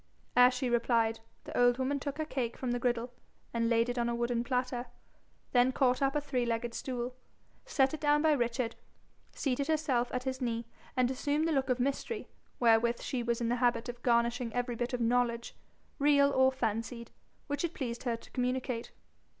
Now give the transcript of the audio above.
Ere she replied, the old woman took her cake from the griddle, and laid it on a wooden platter, then caught up a three legged stool, set it down by Richard, seated herself at his knee, and assumed the look of mystery wherewith she was in the habit of garnishing every bit of knowledge, real or fancied, which it pleased her to communicate.